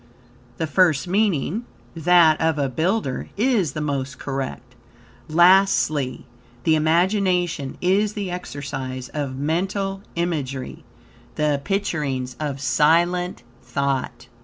The first meaning, that of a builder, is the most correct. Lastly, the imagination is the exercise of mental imagery the picturings of silent thought.